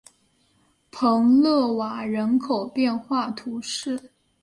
蓬勒瓦人口变化图示